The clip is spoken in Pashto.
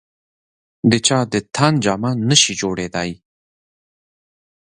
د چا د تن جامه نه شي جوړېدای.